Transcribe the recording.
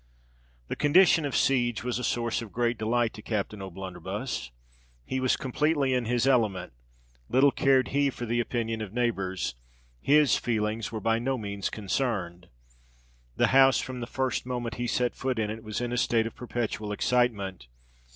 This condition of siege was a source of great delight to Captain O'Blunderbuss. He was completely in his element. Little cared he for the opinion of neighbours: his feelings were by no means concerned. The house, from the first moment he set foot in it, was in a state of perpetual excitement.